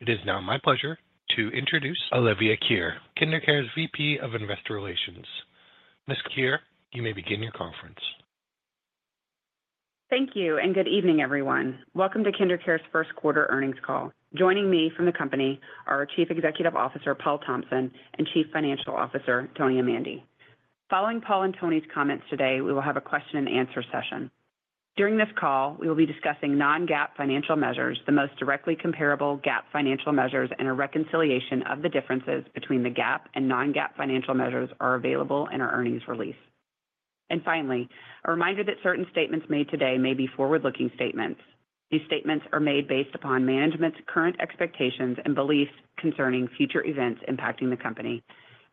It is now my pleasure to introduce Olivia Kirrer, KinderCare's VP of Investor Relations. Ms. Kirrer, you may begin your conference. Thank you, and good evening, everyone. Welcome to KinderCare's first quarter earnings call. Joining me from the company are Chief Executive Officer Paul Thompson and Chief Financial Officer Tony Amandi. Following Paul and Tony's comments today, we will have a question-and-answer session. During this call, we will be discussing non-GAAP financial measures, the most directly comparable GAAP financial measures, and a reconciliation of the differences between the GAAP and non-GAAP financial measures that are available in our earnings release. Finally, a reminder that certain statements made today may be forward-looking statements. These statements are made based upon management's current expectations and beliefs concerning future events impacting the company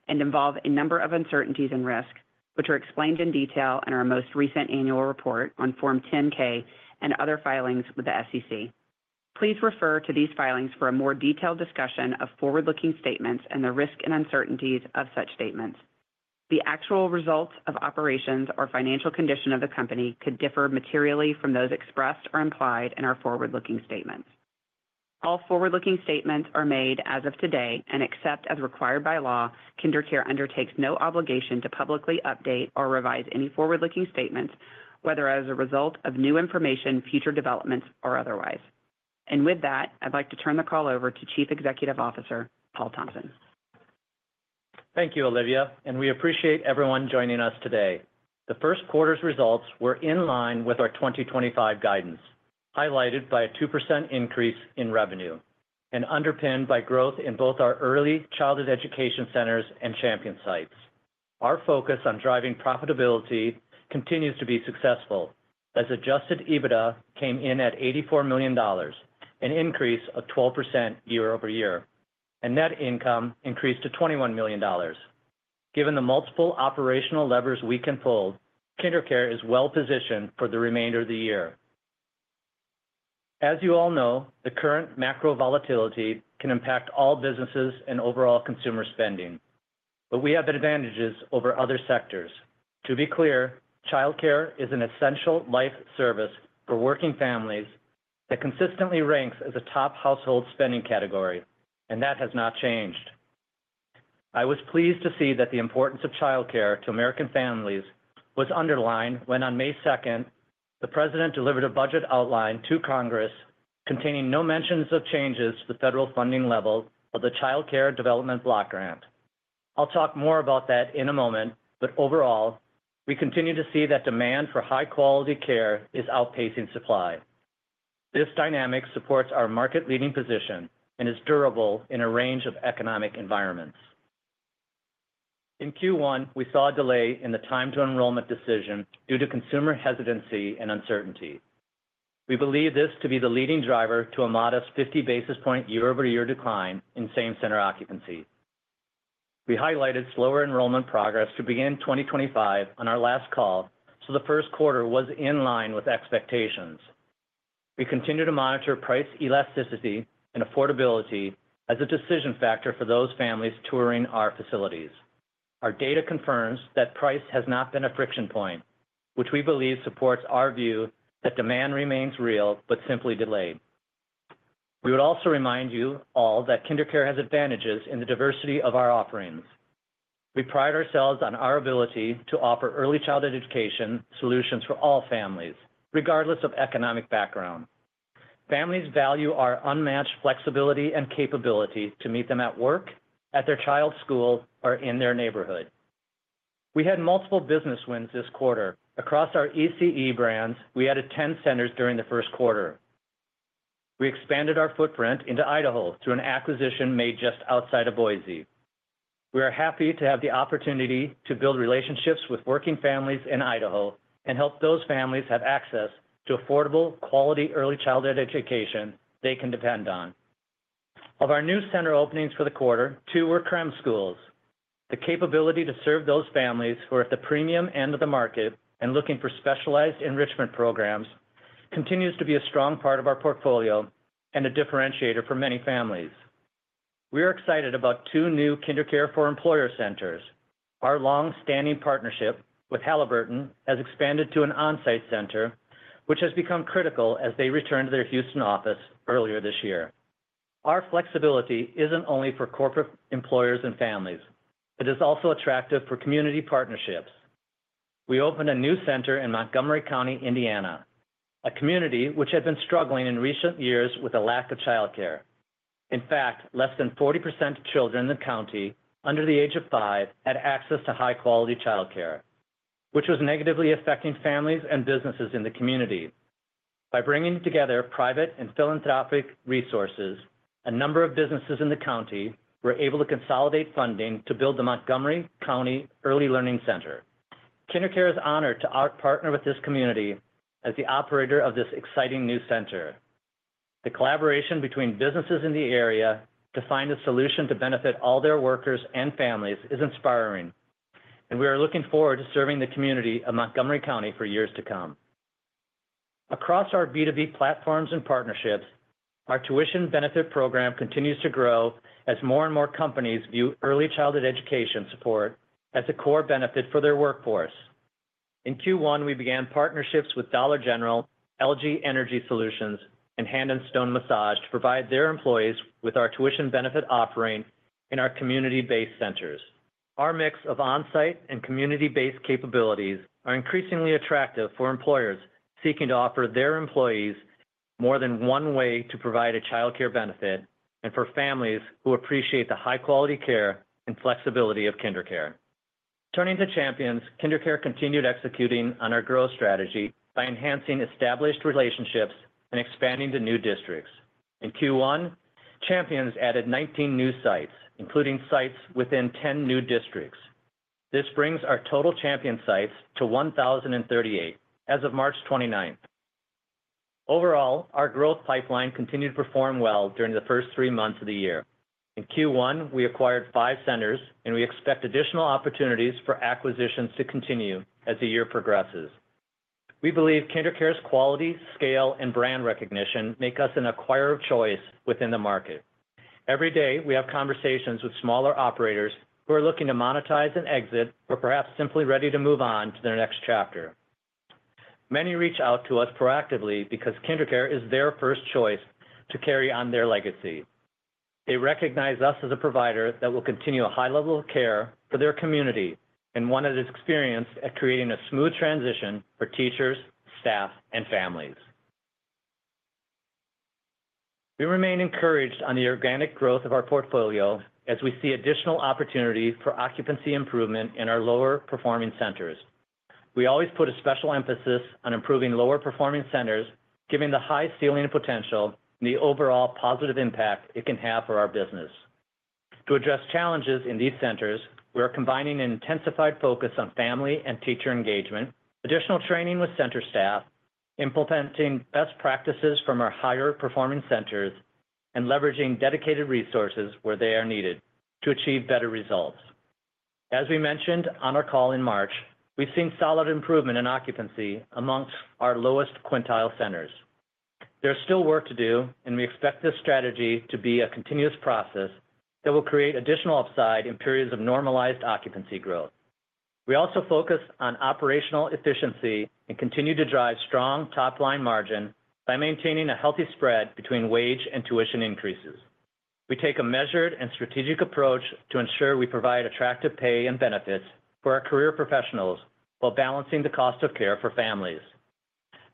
and involve a number of uncertainties and risks, which are explained in detail in our most recent annual report on Form 10-K and other filings with the SEC. Please refer to these filings for a more detailed discussion of forward-looking statements and the risks and uncertainties of such statements. The actual results of operations or financial condition of the company could differ materially from those expressed or implied in our forward-looking statements. All forward-looking statements are made as of today, and except as required by law, KinderCare undertakes no obligation to publicly update or revise any forward-looking statements, whether as a result of new information, future developments, or otherwise. and with that I would like to turn the call over to Chief Executive Officer Paul Thompson. Thank you, Olivia, and we appreciate everyone joining us today. The first quarter's results were in line with our 2025 guidance, highlighted by a 2% increase in revenue and underpinned by growth in both our early childhood education centers and Champion sites. Our focus on driving profitability continues to be successful, as adjusted EBITDA came in at $84 million, an increase of 12% year-over-year, and net income increased to $21 million. Given the multiple operational levers we can pull, KinderCare is well-positioned for the remainder of the year. As you all know, the current macro volatility can impact all businesses and overall consumer spending, but we have advantages over other sectors. To be clear, childcare is an essential life service for working families that consistently ranks as a top household spending category, and that has not changed. I was pleased to see that the importance of childcare to American families was underlined when, on May 2nd, the President delivered a budget outline to Congress containing no mentions of changes to the federal funding level of the Child Care Development Block Grant. I'll talk more about that in a moment, but overall, we continue to see that demand for high-quality care is outpacing supply. This dynamic supports our market-leading position and is durable in a range of economic environments. In Q1, we saw a delay in the time-to-enrollment decision due to consumer hesitancy and uncertainty. We believe this to be the leading driver to a modest 50 basis point year-over-year decline in same-center occupancy. We highlighted slower enrollment progress to begin 2025 on our last call, so the first quarter was in line with expectations. We continue to monitor price elasticity and affordability as a decision factor for those families touring our facilities. Our data confirms that price has not been a friction point, which we believe supports our view that demand remains real but simply delayed. We would also remind you all that KinderCare has advantages in the diversity of our offerings. We pride ourselves on our ability to offer early childhood education solutions for all families, regardless of economic background. Families value our unmatched flexibility and capability to meet them at work, at their child's school, or in their neighborhood. We had multiple business wins this quarter. Across our ECE brands, we added 10 centers during the first quarter. We expanded our footprint into Idaho through an acquisition made just outside of Boise. We are happy to have the opportunity to build relationships with working families in Idaho and help those families have access to affordable, quality early childhood education they can depend on. Of our new center openings for the quarter, two were KREM schools. The capability to serve those families who are at the premium end of the market and looking for specialized enrichment programs continues to be a strong part of our portfolio and a differentiator for many families. We are excited about two new KinderCare for Employers centers. Our long-standing partnership with Halliburton has expanded to an on-site center, which has become critical as they returned to their Houston office earlier this year. Our flexibility is not only for corporate employers and families, it is also attractive for community partnerships. We opened a new center in Montgomery County, Indiana, a community which had been struggling in recent years with a lack of childcare. In fact, less than 40% of children in the county under the age of five had access to high-quality childcare, which was negatively affecting families and businesses in the community. By bringing together private and philanthropic resources, a number of businesses in the county were able to consolidate funding to build the Montgomery County Early Learning Center. KinderCare is honored to partner with this community as the operator of this exciting new center. The collaboration between businesses in the area to find a solution to benefit all their workers and families is inspiring, and we are looking forward to serving the community of Montgomery County for years to come. Across our B2B platforms and partnerships, our tuition benefit program continues to grow as more and more companies view early childhood education support as a core benefit for their workforce. In Q1, we began partnerships with Dollar General, LG Energy Solutions, and Hand and Stone Massage to provide their employees with our tuition benefit offering in our community-based centers. Our mix of on-site and community-based capabilities is increasingly attractive for employers seeking to offer their employees more than one way to provide a childcare benefit and for families who appreciate the high-quality care and flexibility of KinderCare. Turning to Champions, KinderCare continued executing on our growth strategy by enhancing established relationships and expanding to new districts. In Q1, Champions added 19 new sites, including sites within 10 new districts. This brings our total Champions sites to 1,038 as of March 29th. Overall, our growth pipeline continued to perform well during the first three months of the year. In Q1, we acquired five centers, and we expect additional opportunities for acquisitions to continue as the year progresses. We believe KinderCare's quality, scale, and brand recognition make us an acquirer of choice within the market. Every day, we have conversations with smaller operators who are looking to monetize and exit, or perhaps simply ready to move on to their next chapter. Many reach out to us proactively because KinderCare is their first choice to carry on their legacy. They recognize us as a provider that will continue a high level of care for their community and want to experience creating a smooth transition for teachers, staff, and families. We remain encouraged on the organic growth of our portfolio as we see additional opportunities for occupancy improvement in our lower-performing centers. We always put a special emphasis on improving lower-performing centers, given the high ceiling potential and the overall positive impact it can have for our business. To address challenges in these centers, we are combining an intensified focus on family and teacher engagement, additional training with center staff, implementing best practices from our higher-performing centers, and leveraging dedicated resources where they are needed to achieve better results. As we mentioned on our call in March, we've seen solid improvement in occupancy amongst our lowest quintile centers. There is still work to do, and we expect this strategy to be a continuous process that will create additional upside in periods of normalized occupancy growth. We also focus on operational efficiency and continue to drive strong top-line margin by maintaining a healthy spread between wage and tuition increases. We take a measured and strategic approach to ensure we provide attractive pay and benefits for our career professionals while balancing the cost of care for families.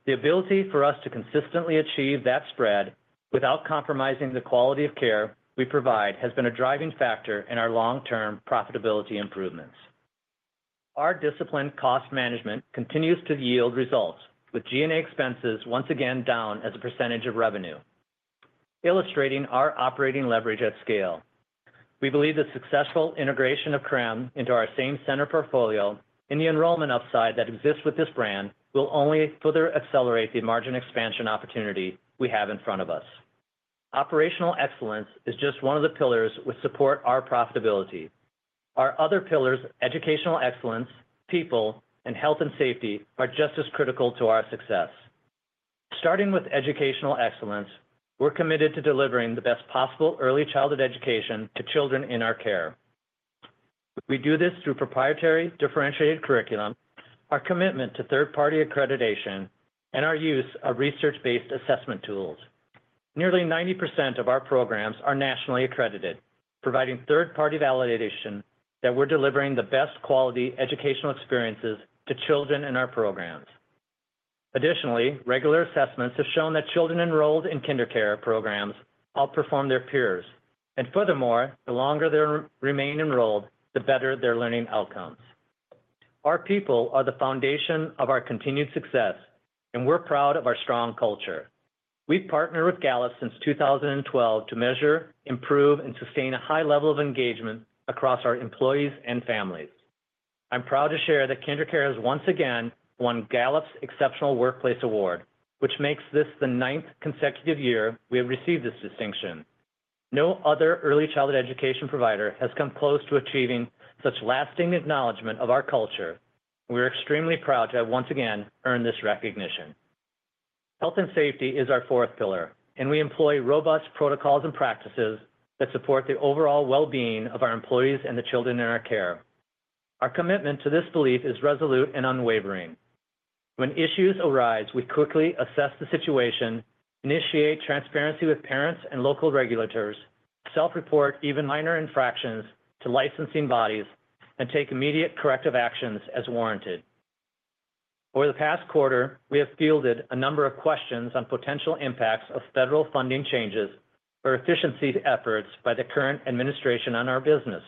The ability for us to consistently achieve that spread without compromising the quality of care we provide has been a driving factor in our long-term profitability improvements. Our disciplined cost management continues to yield results, with G&A expenses once again down as a percentage of revenue, illustrating our operating leverage at scale. We believe the successful integration of KREM into our same-center portfolio and the enrollment upside that exists with this brand will only further accelerate the margin expansion opportunity we have in front of us. Operational excellence is just one of the pillars which support our profitability. Our other pillars, educational excellence, people, and health and safety, are just as critical to our success. Starting with educational excellence, we're committed to delivering the best possible early childhood education to children in our care. We do this through proprietary differentiated curriculum, our commitment to third-party accreditation, and our use of research-based assessment tools. Nearly 90% of our programs are nationally accredited, providing third-party validation that we're delivering the best quality educational experiences to children in our programs. Additionally, regular assessments have shown that children enrolled in KinderCare programs outperform their peers. Furthermore, the longer they remain enrolled, the better their learning outcomes. Our people are the foundation of our continued success, and we're proud of our strong culture. We've partnered with Gallup since 2012 to measure, improve, and sustain a high level of engagement across our employees and families. I'm proud to share that KinderCare has once again won Gallup's Exceptional Workplace Award, which makes this the ninth consecutive year we have received this distinction. No other early childhood education provider has come close to achieving such lasting acknowledgment of our culture. We're extremely proud to have once again earned this recognition. Health and safety is our fourth pillar, and we employ robust protocols and practices that support the overall well-being of our employees and the children in our care. Our commitment to this belief is resolute and unwavering. When issues arise, we quickly assess the situation, initiate transparency with parents and local regulators, self-report even minor infractions to licensing bodies, and take immediate corrective actions as warranted. Over the past quarter, we have fielded a number of questions on potential impacts of federal funding changes or efficiency efforts by the current administration on our business.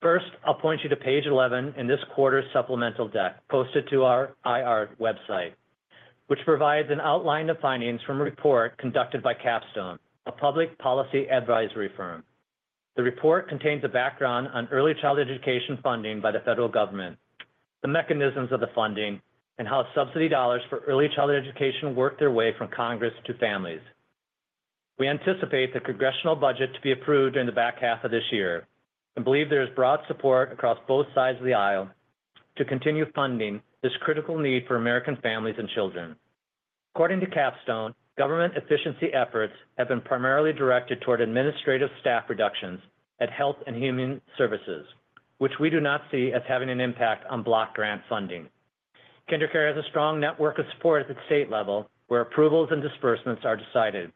First, I'll point you to page 11 in this quarter's supplemental deck posted to our IR website, which provides an outline of findings from a report conducted by Capstone, a public policy advisory firm. The report contains a background on early childhood education funding by the federal government, the mechanisms of the funding, and how subsidy dollars for early childhood education work their way from Congress to families. We anticipate the congressional budget to be approved in the back half of this year and believe there is broad support across both sides of the aisle to continue funding this critical need for American families and children. According to Capstone, government efficiency efforts have been primarily directed toward administrative staff reductions at Health and Human Services, which we do not see as having an impact on block grant funding. KinderCare has a strong network of support at the state level where approvals and disbursements are decided.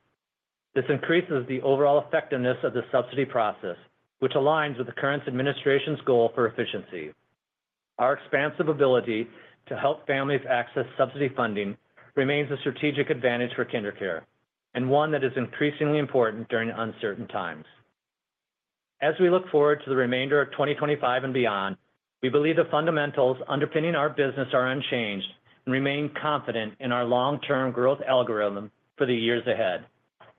This increases the overall effectiveness of the subsidy process, which aligns with the current administration's goal for efficiency. Our expansive ability to help families access subsidy funding remains a strategic advantage for KinderCare and one that is increasingly important during uncertain times. As we look forward to the remainder of 2025 and beyond, we believe the fundamentals underpinning our business are unchanged and remain confident in our long-term growth algorithm for the years ahead.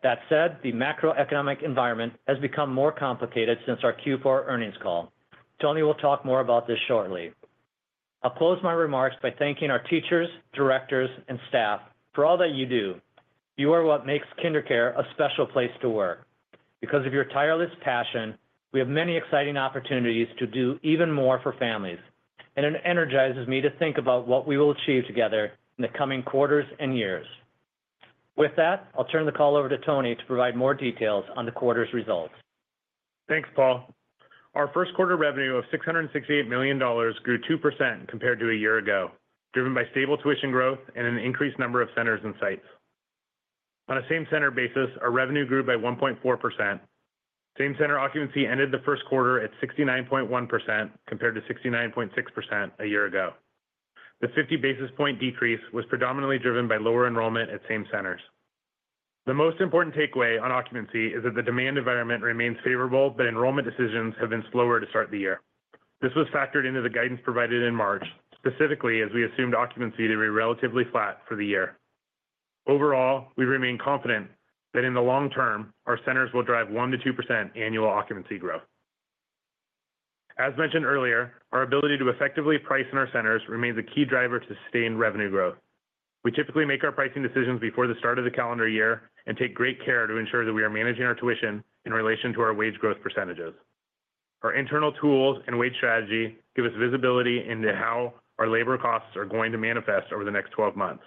That said, the macroeconomic environment has become more complicated since our Q4 earnings call. Tony will talk more about this shortly. I'll close my remarks by thanking our teachers, directors, and staff for all that you do. You are what makes KinderCare a special place to work. Because of your tireless passion, we have many exciting opportunities to do even more for families, and it energizes me to think about what we will achieve together in the coming quarters and years. With that, I'll turn the call over to Tony to provide more details on the quarter's results. Thanks, Paul. Our first quarter revenue of $668 million grew 2% compared to a year ago, driven by stable tuition growth and an increased number of centers and sites. On a same-center basis, our revenue grew by 1.4%. Same-center occupancy ended the first quarter at 69.1% compared to 69.6% a year ago. The 50 basis point decrease was predominantly driven by lower enrollment at same centers. The most important takeaway on occupancy is that the demand environment remains favorable, but enrollment decisions have been slower to start the year. This was factored into the guidance provided in March, specifically as we assumed occupancy to be relatively flat for the year. Overall, we remain confident that in the long term, our centers will drive 1-2% annual occupancy growth. As mentioned earlier, our ability to effectively price in our centers remains a key driver to sustained revenue growth. We typically make our pricing decisions before the start of the calendar year and take great care to ensure that we are managing our tuition in relation to our wage growth percentages. Our internal tools and wage strategy give us visibility into how our labor costs are going to manifest over the next 12 months.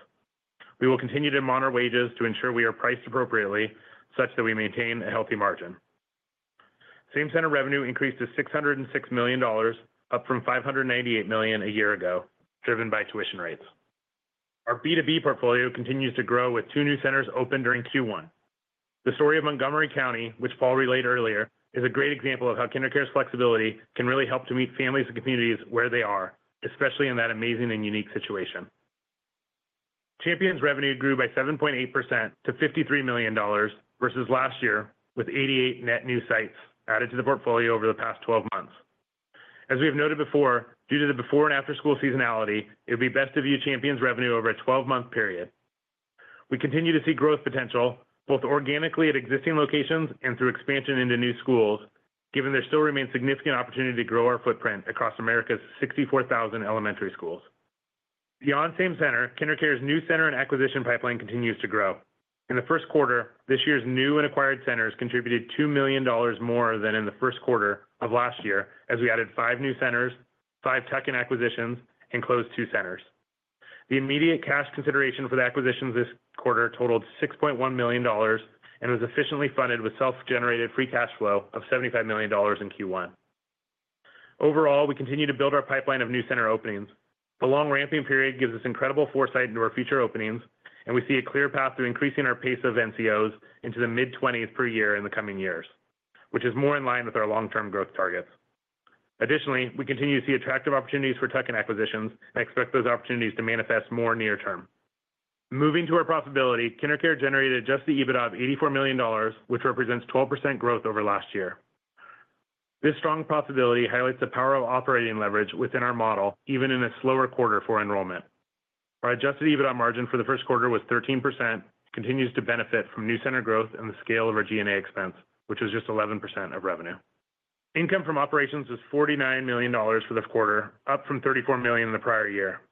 We will continue to monitor wages to ensure we are priced appropriately such that we maintain a healthy margin. Same-center revenue increased to $606 million, up from $598 million a year ago, driven by tuition rates. Our B2B portfolio continues to grow with two new centers open during Q1. The story of Montgomery County, which Paul relayed earlier, is a great example of how KinderCare's flexibility can really help to meet families and communities where they are, especially in that amazing and unique situation. Champions revenue grew by 7.8% to $53 million versus last year, with 88 net new sites added to the portfolio over the past 12 months. As we have noted before, due to the before and after-school seasonality, it would be best to view Champions revenue over a 12-month period. We continue to see growth potential both organically at existing locations and through expansion into new schools, given there still remains significant opportunity to grow our footprint across America's 64,000 elementary schools. Beyond same-center, KinderCare's new center and acquisition pipeline continues to grow. In the first quarter, this year's new and acquired centers contributed $2 million more than in the first quarter of last year as we added five new centers, five tuck-in acquisitions, and closed two centers. The immediate cash consideration for the acquisitions this quarter totaled $6.1 million and was efficiently funded with self-generated free cash flow of $75 million in Q1. Overall, we continue to build our pipeline of new center openings. The long ramping period gives us incredible foresight into our future openings, and we see a clear path to increasing our pace of NCOs into the mid-20s per year in the coming years, which is more in line with our long-term growth targets. Additionally, we continue to see attractive opportunities for tuck-in acquisitions and expect those opportunities to manifest more near term. Moving to our profitability, KinderCare generated adjusted EBITDA of $84 million, which represents 12% growth over last year. This strong profitability highlights the power of operating leverage within our model, even in a slower quarter for enrollment. Our adjusted EBITDA margin for the first quarter was 13%, and continues to benefit from new center growth and the scale of our G&A expense, which was just 11% of revenue. Income from operations is $49 million for the quarter, up from $34 million in the prior year.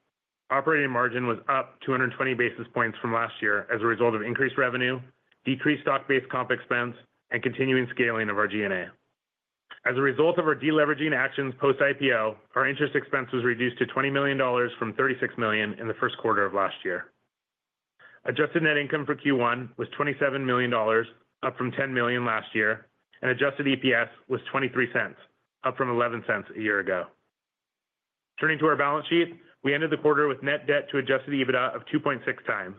Operating margin was up 220 basis points from last year as a result of increased revenue, decreased stock-based comp expense, and continuing scaling of our G&A. As a result of our deleveraging actions post-IPO, our interest expense was reduced to $20 million from $36 million in the first quarter of last year. Adjusted net income for Q1 was $27 million, up from $10 million last year, and adjusted EPS was $0.23, up from $0.11 a year ago. Turning to our balance sheet, we ended the quarter with net debt to adjusted EBITDA of 2.6 times.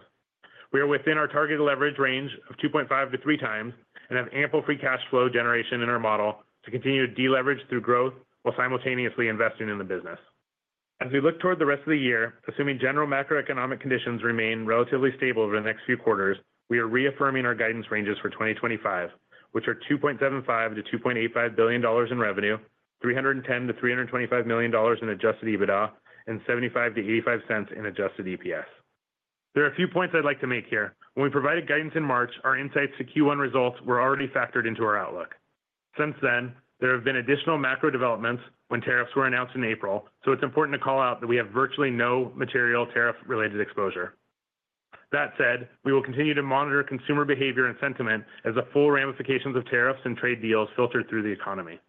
We are within our targeted leverage range of 2.5-3 times and have ample free cash flow generation in our model to continue to deleverage through growth while simultaneously investing in the business. As we look toward the rest of the year, assuming general macroeconomic conditions remain relatively stable over the next few quarters, we are reaffirming our guidance ranges for 2025, which are $2.75-$2.85 billion in revenue, $310-$325 million in adjusted EBITDA, and $0.75-$0.85 in adjusted EPS. There are a few points I'd like to make here. When we provided guidance in March, our insights to Q1 results were already factored into our outlook. Since then, there have been additional macro developments when tariffs were announced in April, so it's important to call out that we have virtually no material tariff-related exposure. That said, we will continue to monitor consumer behavior and sentiment as the full ramifications of tariffs and trade deals filter through the economy.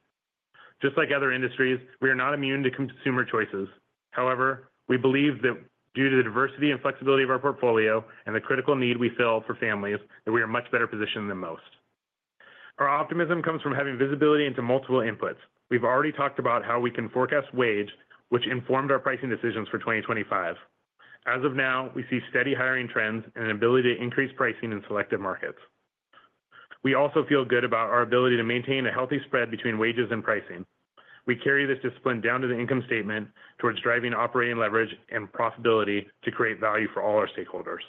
Just like other industries, we are not immune to consumer choices. However, we believe that due to the diversity and flexibility of our portfolio and the critical need we fill for families, we are much better positioned than most. Our optimism comes from having visibility into multiple inputs. We've already talked about how we can forecast wage, which informed our pricing decisions for 2025. As of now, we see steady hiring trends and an ability to increase pricing in selective markets. We also feel good about our ability to maintain a healthy spread between wages and pricing. We carry this discipline down to the income statement towards driving operating leverage and profitability to create value for all our stakeholders.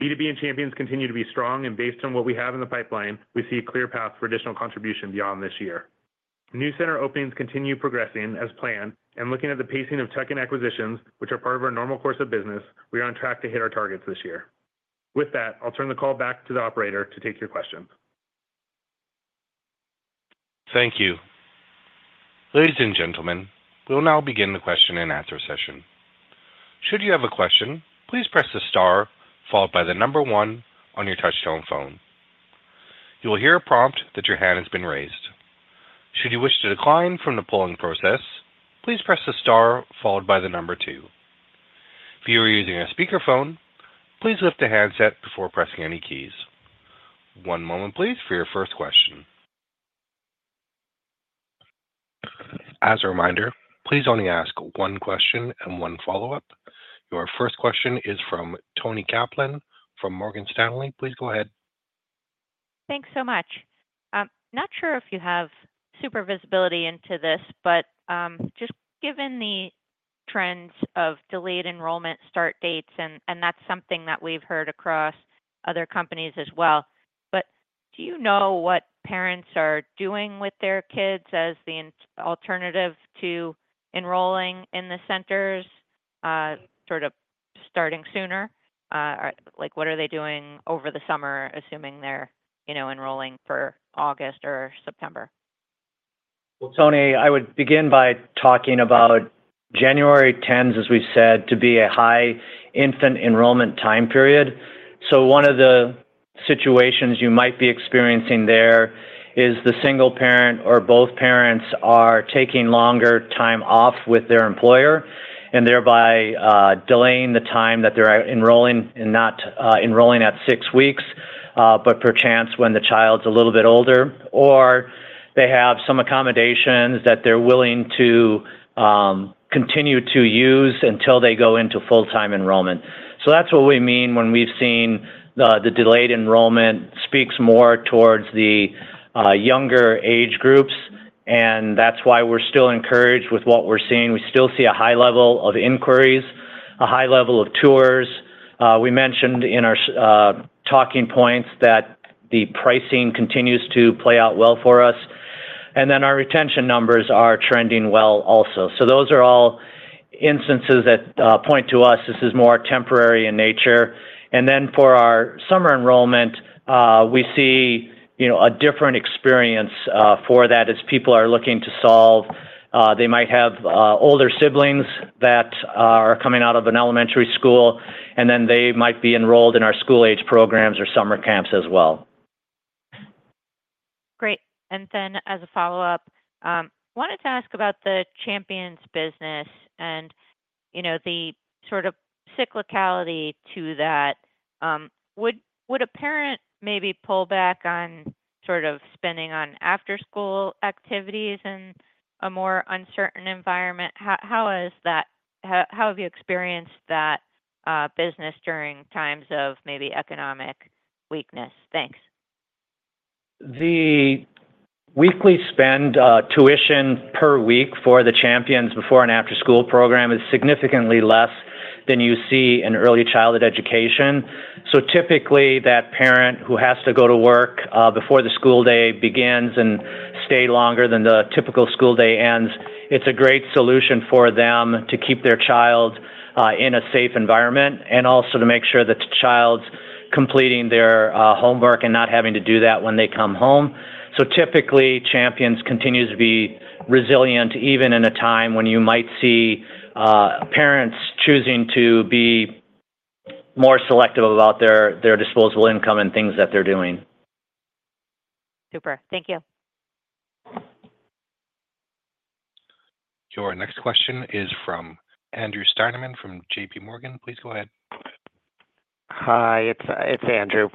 B2B and Champions continue to be strong, and based on what we have in the pipeline, we see a clear path for additional contribution beyond this year. New center openings continue progressing as planned, and looking at the pacing of tuck-in acquisitions, which are part of our normal course of business, we are on track to hit our targets this year. With that, I'll turn the call back to the operator to take your questions. Thank you. Ladies and gentlemen, we'll now begin the question and answer session. Should you have a question, please press the star followed by the number one on your touch-tone phone. You will hear a prompt that your hand has been raised. Should you wish to decline from the polling process, please press the star followed by the number two. If you are using a speakerphone, please lift the handset before pressing any keys. One moment, please, for your first question. As a reminder, please only ask one question and one follow-up. Your first question is from Toni Kaplan from Morgan Stanley. Please go ahead. Thanks so much. Not sure if you have super visibility into this, but just given the trends of delayed enrollment start dates, and that's something that we've heard across other companies as well. Do you know what parents are doing with their kids as the alternative to enrolling in the centers, sort of starting sooner? What are they doing over the summer, assuming they're enrolling for August or September? Toni, I would begin by talking about January 10, as we've said, to be a high infant enrollment time period. One of the situations you might be experiencing there is the single parent or both parents are taking longer time off with their employer and thereby delaying the time that they're enrolling and not enrolling at six weeks, but perchance when the child's a little bit older, or they have some accommodations that they're willing to continue to use until they go into full-time enrollment. That's what we mean when we've seen the delayed enrollment speaks more towards the younger age groups, and that's why we're still encouraged with what we're seeing. We still see a high level of inquiries, a high level of tours. We mentioned in our talking points that the pricing continues to play out well for us, and then our retention numbers are trending well also. Those are all instances that point to us this is more temporary in nature. For our summer enrollment, we see a different experience for that as people are looking to solve. They might have older siblings that are coming out of an elementary school, and then they might be enrolled in our school-age programs or summer camps as well. Great. As a follow-up, I wanted to ask about the Champions business and the sort of cyclicality to that. Would a parent maybe pull back on sort of spending on after-school activities in a more uncertain environment? How have you experienced that business during times of maybe economic weakness? Thanks. The weekly spend, tuition per week for the Champions before and after-school program is significantly less than you see in early childhood education. Typically, that parent who has to go to work before the school day begins and stay longer than the typical school day ends, it's a great solution for them to keep their child in a safe environment and also to make sure that the child's completing their homework and not having to do that when they come home. Typically, Champions continues to be resilient even in a time when you might see parents choosing to be more selective about their disposable income and things that they're doing. Super. Thank you. Sure. Next question is from Andrew Steinerman from JPMorgan. Please go ahead. Hi. It's Andrew.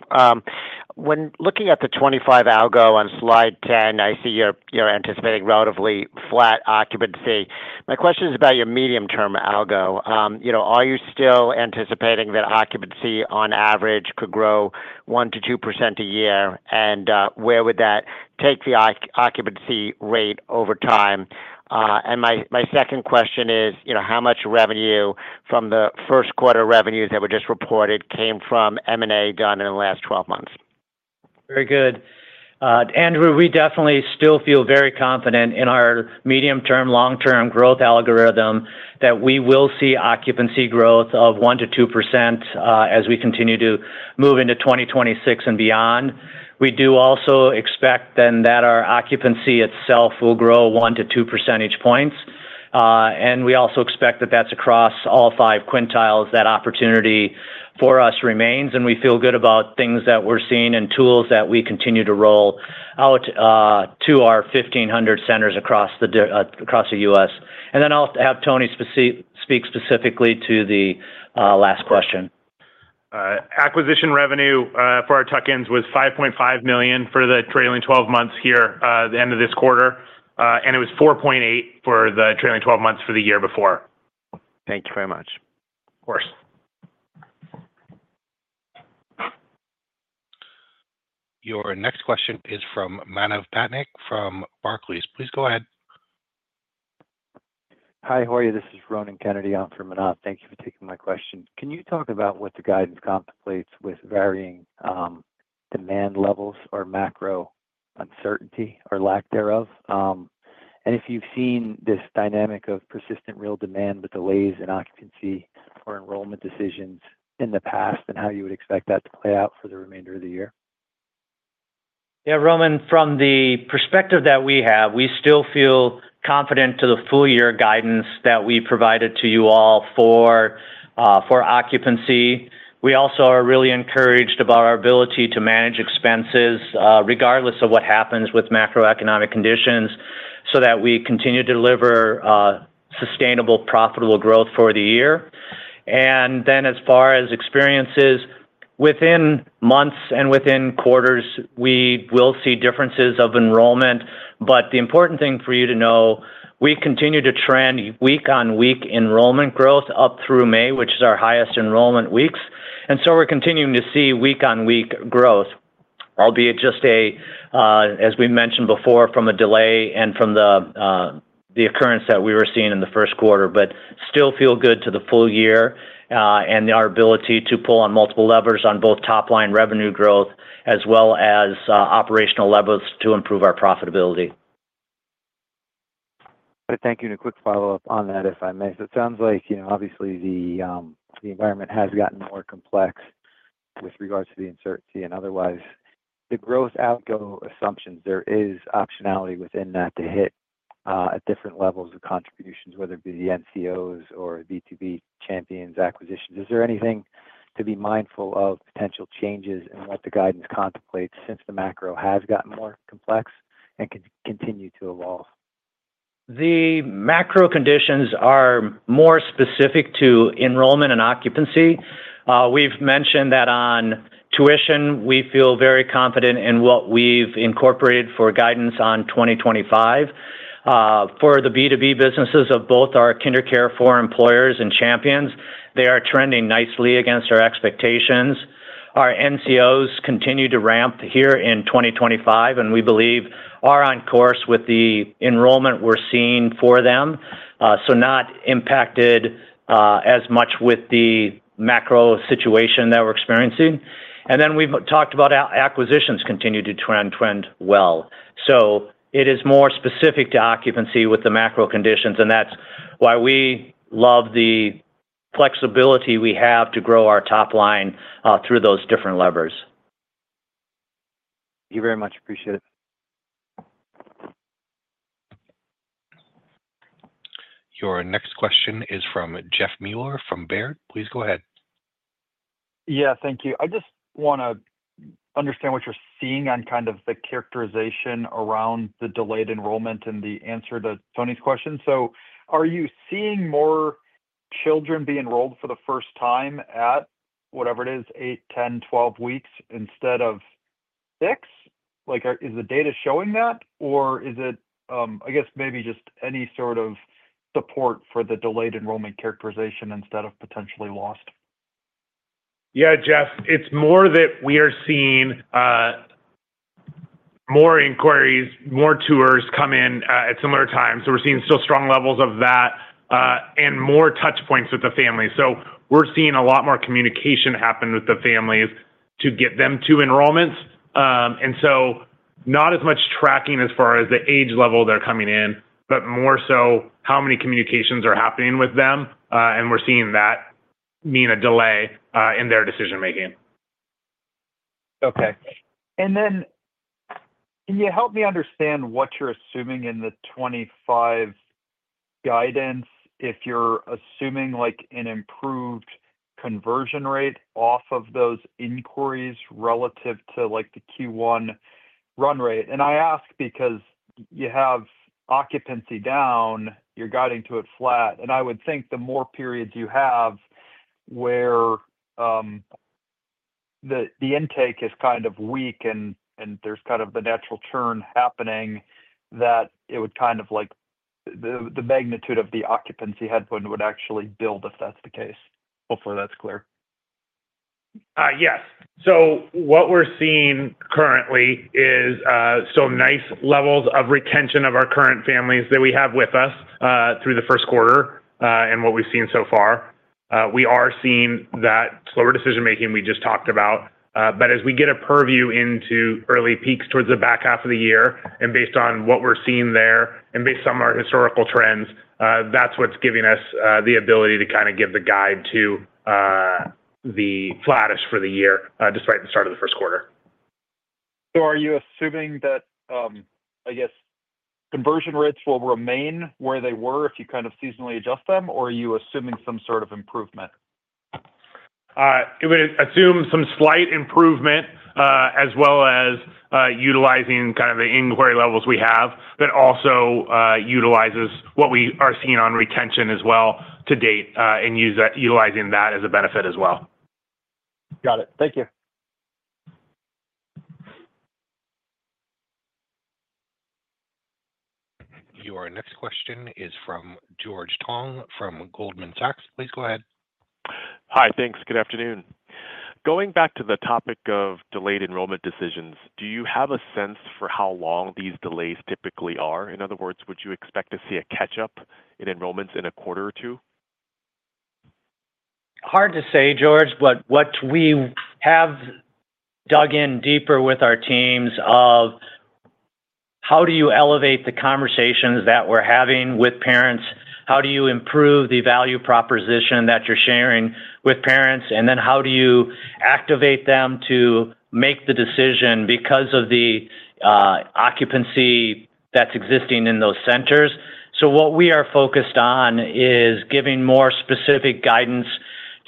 When looking at the 25 algo on slide 10, I see you're anticipating relatively flat occupancy. My question is about your medium-term algo. Are you still anticipating that occupancy, on average, could grow 1-2% a year, and where would that take the occupancy rate over time? My second question is, how much revenue from the first quarter revenues that were just reported came from M&A done in the last 12 months? Very good. Andrew, we definitely still feel very confident in our medium-term, long-term growth algorithm that we will see occupancy growth of 1-2% as we continue to move into 2026 and beyond. We do also expect then that our occupancy itself will grow 1-2 percentage points. We also expect that that's across all five quintiles that opportunity for us remains, and we feel good about things that we're seeing and tools that we continue to roll out to our 1,500 centers across the US. I'll have Tony speak specifically to the last question. Acquisition revenue for our tuck-ins was $5.5 million for the trailing 12 months here at the end of this quarter, and it was $4.8 million for the trailing 12 months for the year before. Thank you very much. Of course. Your next question is from Manav Patnik from Barclays. Please go ahead. Hi. How are you? This is Ronan Kennedy on for Manav. Thank you for taking my question. Can you talk about what the guidance contemplates with varying demand levels or macro uncertainty or lack thereof? And if you've seen this dynamic of persistent real demand with delays in occupancy for enrollment decisions in the past and how you would expect that to play out for the remainder of the year? Yeah, Ronan, from the perspective that we have, we still feel confident to the full year guidance that we provided to you all for occupancy. We also are really encouraged about our ability to manage expenses regardless of what happens with macroeconomic conditions so that we continue to deliver sustainable, profitable growth for the year. As far as experiences, within months and within quarters, we will see differences of enrollment. The important thing for you to know, we continue to trend week-on-week enrollment growth up through May, which is our highest enrollment weeks. We're continuing to see week-on-week growth, albeit just, as we mentioned before, from a delay and from the occurrence that we were seeing in the first quarter, but still feel good to the full year and our ability to pull on multiple levers on both top-line revenue growth as well as operational levels to improve our profitability. Thank you. A quick follow-up on that, if I may. It sounds like, obviously, the environment has gotten more complex with regards to the uncertainty. Otherwise, the growth algo assumptions, there is optionality within that to hit at different levels of contributions, whether it be the NCOs or B2B Champions acquisitions. Is there anything to be mindful of, potential changes in what the guidance contemplates since the macro has gotten more complex and can continue to evolve? The macro conditions are more specific to enrollment and occupancy. We've mentioned that on tuition, we feel very confident in what we've incorporated for guidance on 2025. For the B2B businesses of both our KinderCare for Employers and Champions, they are trending nicely against our expectations. Our NCOs continue to ramp here in 2025, and we believe are on course with the enrollment we're seeing for them, not impacted as much with the macro situation that we're experiencing. We've talked about acquisitions continue to trend well. It is more specific to occupancy with the macro conditions, and that's why we love the flexibility we have to grow our top line through those different levers. Thank you very much. Appreciate it. Your next question is from Jeff Meuler from Baird. Please go ahead. Yeah. Thank you. I just want to understand what you're seeing on kind of the characterization around the delayed enrollment and the answer to Tony's question. Are you seeing more children be enrolled for the first time at whatever it is, 8, 10, 12 weeks instead of 6? Is the data showing that, or is it, I guess, maybe just any sort of support for the delayed enrollment characterization instead of potentially lost? Yeah, Jeff, it's more that we are seeing more inquiries, more tours come in at similar times. We're seeing still strong levels of that and more touchpoints with the families. We're seeing a lot more communication happen with the families to get them to enrollments. Not as much tracking as far as the age level they're coming in, but more so how many communications are happening with them. We're seeing that mean a delay in their decision-making. Okay. Can you help me understand what you're assuming in the 2025 guidance if you're assuming an improved conversion rate off of those inquiries relative to the Q1 run rate? I ask because you have occupancy down, you're guiding to it flat. I would think the more periods you have where the intake is kind of weak and there's kind of the natural churn happening, that it would kind of like the magnitude of the occupancy headwind would actually build if that's the case. Hopefully, that's clear. Yes. What we're seeing currently is some nice levels of retention of our current families that we have with us through the first quarter and what we've seen so far. We are seeing that slower decision-making we just talked about. As we get a purview into early peaks towards the back half of the year and based on what we're seeing there and based on our historical trends, that's what's giving us the ability to kind of give the guide to the flattish for the year despite the start of the first quarter. Are you assuming that, I guess, conversion rates will remain where they were if you kind of seasonally adjust them, or are you assuming some sort of improvement? It would assume some slight improvement as well as utilizing kind of the inquiry levels we have, but also utilizes what we are seeing on retention as well to date and utilizing that as a benefit as well. Got it. Thank you. Your next question is from George Tong from Goldman Sachs. Please go ahead. Hi. Thanks. Good afternoon. Going back to the topic of delayed enrollment decisions, do you have a sense for how long these delays typically are? In other words, would you expect to see a catch-up in enrollments in a quarter or two? Hard to say, George, but what we have dug in deeper with our teams of how do you elevate the conversations that we're having with parents? How do you improve the value proposition that you're sharing with parents? And how do you activate them to make the decision because of the occupancy that's existing in those centers? What we are focused on is giving more specific guidance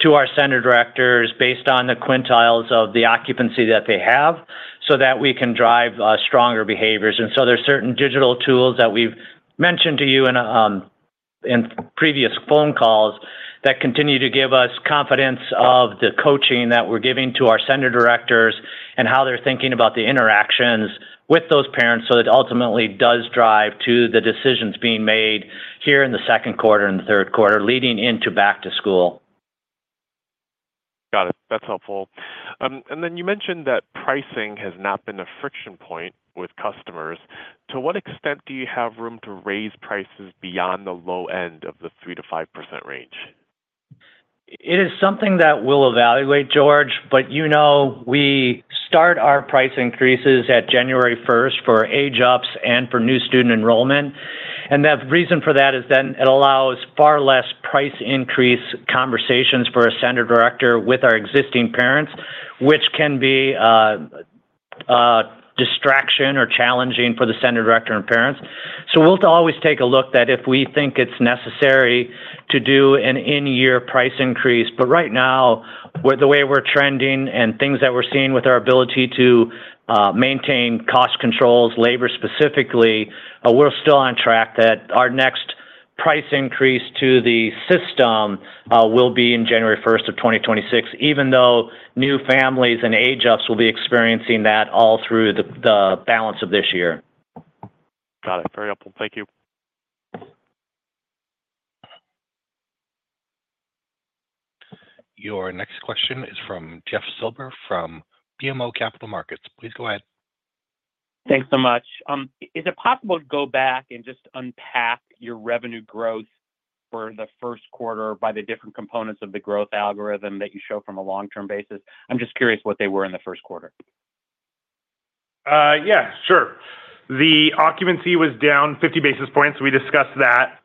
to our center directors based on the quintiles of the occupancy that they have so that we can drive stronger behaviors. There are certain digital tools that we've mentioned to you in previous phone calls that continue to give us confidence in the coaching that we're giving to our center directors and how they're thinking about the interactions with those parents. That ultimately does drive the decisions being made here in the second quarter and the third quarter leading into back to school. Got it. That's helpful. You mentioned that pricing has not been a friction point with customers. To what extent do you have room to raise prices beyond the low end of the 3-5% range? It is something that we'll evaluate, George, but we start our price increases on January 1 for age-ups and for new student enrollment. The reason for that is then it allows far less price increase conversations for a center director with our existing parents, which can be a distraction or challenging for the center director and parents. We will always take a look at if we think it is necessary to do an in-year price increase. Right now, the way we are trending and things that we are seeing with our ability to maintain cost controls, labor specifically, we are still on track that our next price increase to the system will be on January 1, 2026, even though new families and age-ups will be experiencing that all through the balance of this year. Got it. Very helpful. Thank you. Your next question is from Jeff Silber from BMO Capital Markets. Please go ahead. Thanks so much. Is it possible to go back and just unpack your revenue growth for the first quarter by the different components of the growth algorithm that you show from a long-term basis? I'm just curious what they were in the first quarter. Yeah. Sure. The occupancy was down 50 basis points. We discussed that.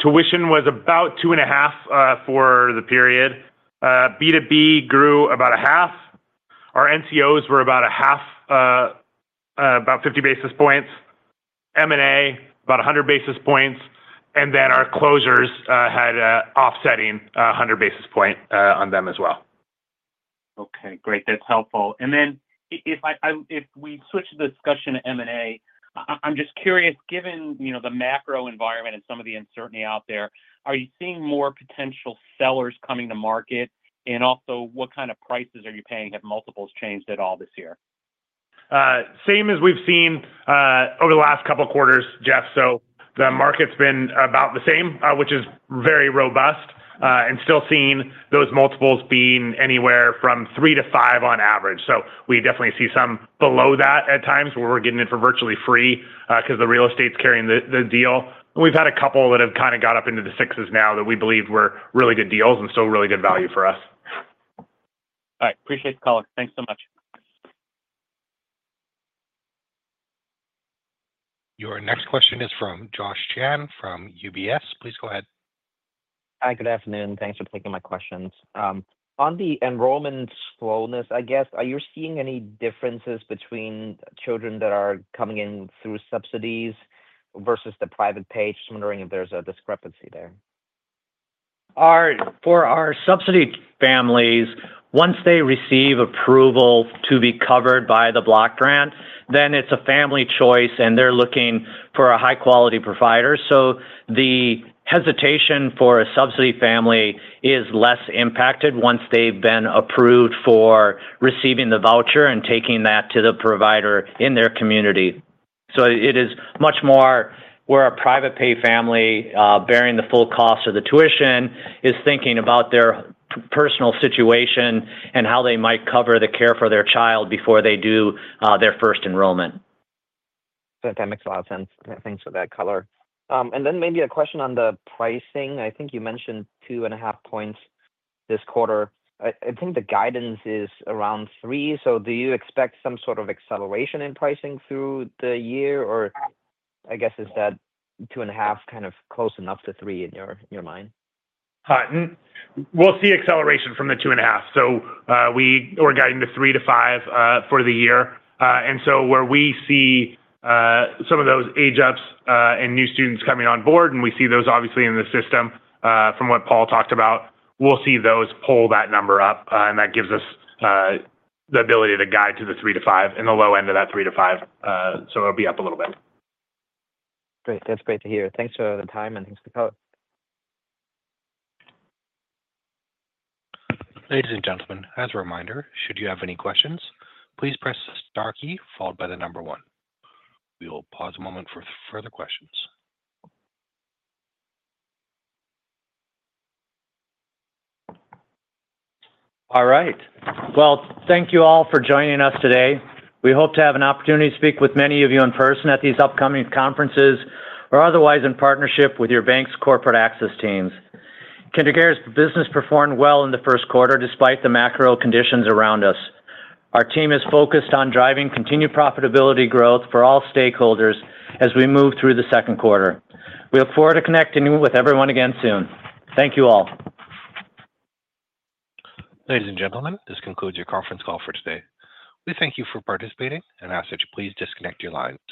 Tuition was about 2.5% for the period. B2B grew about 0.5%. Our NCOs were about 0.5%, about 50 basis points. M&A, about 100 basis points. Closures had an offsetting 100 basis point on them as well. Okay. Great. That's helpful. If we switch the discussion to M&A, I'm just curious, given the macro environment and some of the uncertainty out there, are you seeing more potential sellers coming to market? Also, what kind of prices are you paying? Have multiples changed at all this year? Same as we've seen over the last couple of quarters, Jeff. The market's been about the same, which is very robust, and still seeing those multiples being anywhere from three to five on average. We definitely see some below that at times where we're getting it for virtually free because the real estate's carrying the deal. We've had a couple that have kind of got up into the sixes now that we believe were really good deals and still really good value for us. Alright. Appreciate the call. Thanks so much. Your next question is from Josh Chan from UBS. Please go ahead. Hi. Good afternoon. Thanks for taking my questions. On the enrollment slowness, I guess, are you seeing any differences between children that are coming in through subsidies versus the private pay? Just wondering if there's a discrepancy there. For our subsidy families, once they receive approval to be covered by the block grant, then it's a family choice, and they're looking for a high-quality provider. The hesitation for a subsidy family is less impacted once they've been approved for receiving the voucher and taking that to the provider in their community. It is much more where a private pay family bearing the full cost of the tuition is thinking about their personal situation and how they might cover the care for their child before they do their first enrollment. That makes a lot of sense. Thanks for that color. Maybe a question on the pricing. I think you mentioned two and a half percentage points this quarter. I think the guidance is around three. Do you expect some sort of acceleration in pricing through the year? I guess is that two and a half kind of close enough to three in your mind? We'll see acceleration from the two and a half. We're guiding to three to five for the year. Where we see some of those age-ups and new students coming on board, and we see those obviously in the system from what Paul talked about, we'll see those pull that number up. That gives us the ability to guide to the three to five and the low end of that three to five. It'll be up a little bit. Great. That's great to hear. Thanks for the time and thanks for the call. Ladies and gentlemen, as a reminder, should you have any questions, please press the star key followed by the number one. We will pause a moment for further questions. All right. Thank you all for joining us today. We hope to have an opportunity to speak with many of you in person at these upcoming conferences or otherwise in partnership with your bank's corporate access teams. KinderCare's business performed well in the first quarter despite the macro conditions around us. Our team is focused on driving continued profitability growth for all stakeholders as we move through the second quarter. We look forward to connecting with everyone again soon. Thank you all. Ladies and gentlemen, this concludes your conference call for today. We thank you for participating and ask that you please disconnect your line.